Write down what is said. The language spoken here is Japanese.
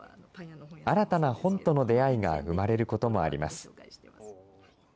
新たな本との出会いが生まれることもあります。